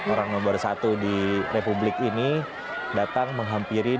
orang nomor satu di republik ini datang menghampiri dan hanya berjarak memerintah